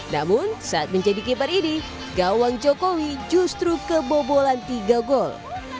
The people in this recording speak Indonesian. namun saat menjadi keeper ini gawang jokowi justru kebobolan tiga gol